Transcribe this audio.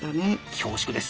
恐縮です。